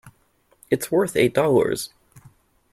It's worth eight dollars.